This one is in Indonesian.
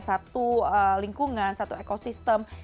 satu lingkungan satu ekosistem